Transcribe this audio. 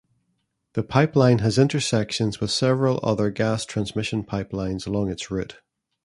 The pipeline has intersections with several other gas transmission pipelines along its route.